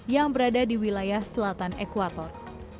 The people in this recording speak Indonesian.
yang berada di wilayah selatan ekuator